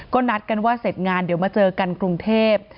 ก็นัดกันว่าเสร็จงานเดี๋ยวมาเจอกันกรุงเทพ